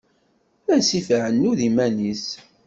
Asif iɛuned iman-is.